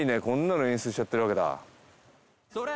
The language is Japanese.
こんなの演出しちゃってるわけだ。